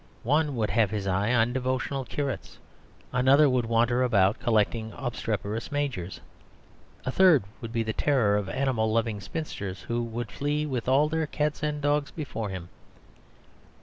One would have his eye on devotional curates; another would wander about collecting obstreperous majors; a third would be the terror of animal loving spinsters, who would flee with all their cats and dogs before him.